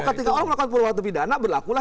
ketika orang melakukan perwaktu pidana berlakunya